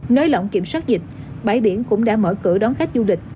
nới lỏng kiểm soát dịch bãi biển cũng đã mở cửa đón khách du lịch